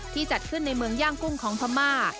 จัดขึ้นในเมืองย่างกุ้งของพม่า